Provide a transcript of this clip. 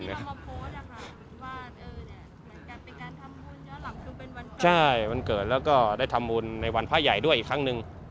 เป็นวันเกิดใช่วันเกิดแล้วก็ได้ทำมงนในวันพระใหญ่ด้วยอีกครั้งหนึ่ง